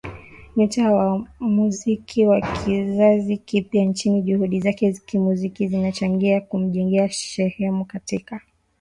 nyota wa muziki wa kizazi kipya nchini Juhudi zake kimuziki zilichangia kumjengea heshima katika